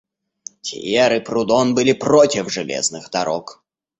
Тьер и Прудон были против железных дорог.